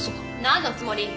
何のつもり？